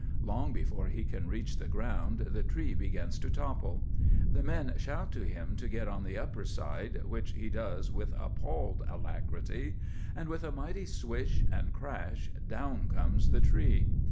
Long before he can reach the ground the tree begins to topple. The men shout to him to get on the upper side, which he does with appalled alacrity; and with a mighty swish and crash down comes the tree.